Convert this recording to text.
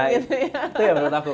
itu yang menurut aku